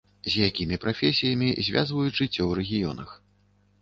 З якімі прафесіямі звязваюць жыццё ў рэгіёнах.